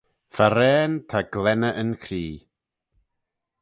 Farrane ta glenney yn cree.